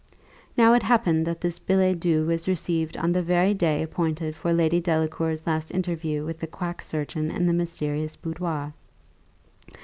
Now it happened that this billet doux was received on the very day appointed for Lady Delacour's last interview with the quack surgeon in the mysterious boudoir.